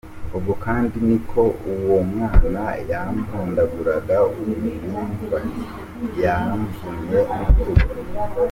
Ubwo kandi niko uwo mwana yampondaguraga, ubu yamvunnye n’urutugu.